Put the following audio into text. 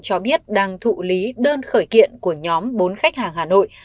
cho biết đang thụ lý đơn khởi kiện của nhóm bốn khách hàng hà nội